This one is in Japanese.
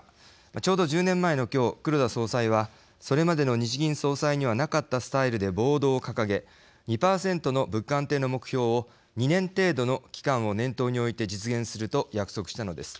ちょうど１０年前の今日黒田総裁はそれまでの日銀総裁にはなかったスタイルでボードを掲げ２％の物価安定の目標を２年程度の期間を念頭に置いて実現すると約束したのです。